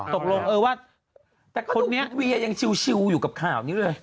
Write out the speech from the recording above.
แต่คุณเวียยังชิวอยู่กับข้าวนี้ด้วย